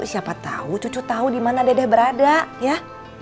siapa tau cucu tau dimana dede berada ya